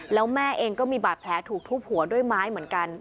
แล้วแม่เองก็มีบาดแผลถูกทุบหัวด้วยไม้เหมือนกัน